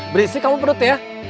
berisik kamu pedut ya